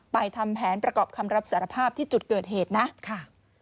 ทำแผนประกอบคำรับสารภาพที่จุดเกิดเหตุนะค่ะ